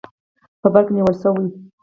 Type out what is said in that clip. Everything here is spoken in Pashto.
په برق نیول شوي